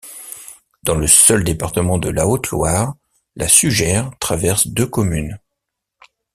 Dans le seul département de la Haute-Loire, la Sugère traverse deux communes.